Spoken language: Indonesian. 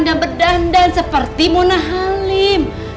dan berdandan seperti mona halim